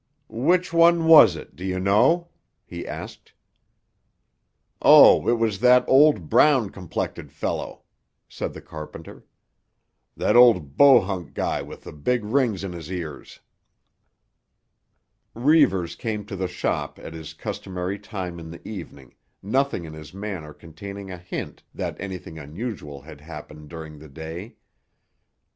"Which one was it, do you know?" he asked. "Oh, it was that old brown complected fellow," said the carpenter. "That old Bohunk guy with the big rings in his ears." Reivers came to the shop at his customary time in the evening, nothing in his manner containing a hint that anything unusual had happened during the day.